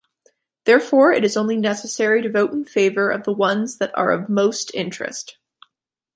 Therefore, it is only necessary to vote in favor of the ones that are of most interest.